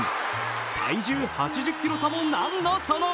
体重８０ｋｇ差も何のその。